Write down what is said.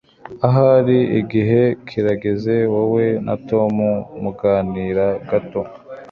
Ahari igihe kirageze wowe na Tom muganira gato.